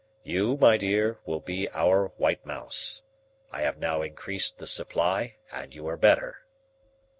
You, my dear, will be our white mouse. I have now increased the supply and you are better."